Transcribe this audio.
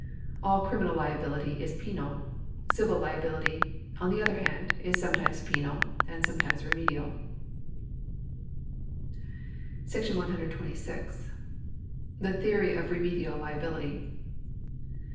All criminal liability is penal ; civil liability, on the other hand, is some times penal and sometimes remedial.^ § 126. The Theory of Remedial Liability.